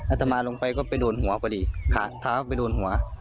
ตมาลงไปก็ไปโดนหัวพอดีขาเท้าไปโดนหัว